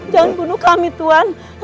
jangan bunuh kami tuhan